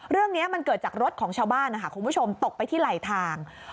เรื่องนี้มันเกิดจากรถของชาวบ้านนะคะคุณผู้ชมตกไปที่ไหลทาง